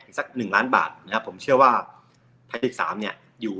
สักหนึ่งล้านบาทนะครับผมเชื่อว่าไทยลีกสามเนี่ยอยู่